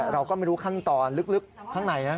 เราก็ไม่รู้ขั้นตอนลึกข้างในนะ